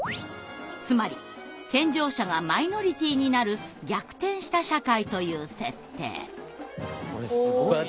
つまり健常者がマイノリティーになる逆転した社会という設定。